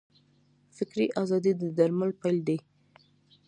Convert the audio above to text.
فکري ازادي د درمل پیل دی.